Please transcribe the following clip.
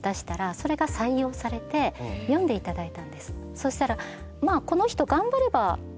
そしたら。